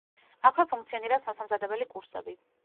აქვე ფუნქციონირებს მოსამზადებელი კურსები.